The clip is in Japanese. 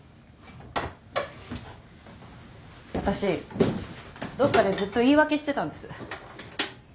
私どっかでずっと言い訳してたんです。